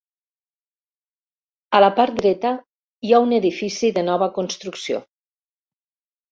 A la part dreta hi ha un edifici de nova construcció.